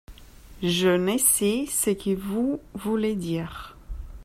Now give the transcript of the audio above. Je ne sais ce que vous voulez dire.